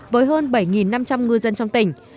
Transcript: với hơn bảy năm trăm linh ngư dân trong tỉnh